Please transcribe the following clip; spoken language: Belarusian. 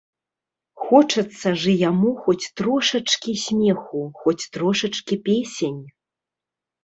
Хочацца ж і яму хоць трошачкі смеху, хоць трошачкі песень.